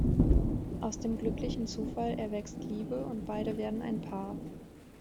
Aus dem glücklichen Zufall erwächst Liebe und beide werden ein Paar.